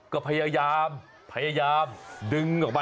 ก็พยายามพยายามดึงออกมา